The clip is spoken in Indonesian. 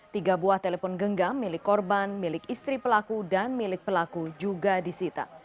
tiga buah telepon genggam milik korban milik istri pelaku dan milik pelaku juga disita